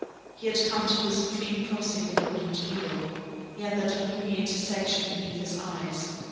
He had come to the supreme crossing of good and evil. He had that gloomy intersection beneath his eyes.